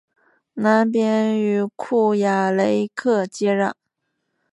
南边与库雅雷克接壤。